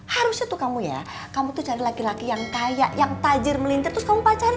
harusnya tuh kamu ya kamu tuh cari laki laki yang kaya yang tajir melintir terus kamu pacar